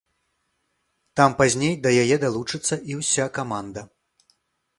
Там пазней да яе далучыцца і ўся каманда.